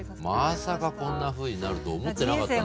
まさかこんなふうになると思ってなかったんで僕も。